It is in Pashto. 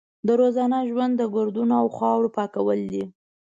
د روزانه ژوند د ګردونو او خاورو پاکول دي.